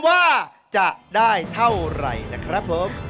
ว่าจะได้เท่าไหร่นะครับผม